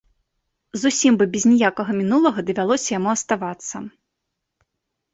Зусім бы без ніякага мінулага давялося яму аставацца.